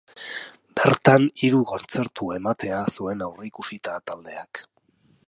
Bertan hiru kontzertu ematea zuen aurreikusita taldeak.